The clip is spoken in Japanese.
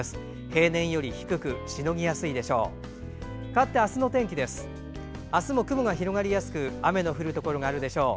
平年より低くしのぎやすいでしょう。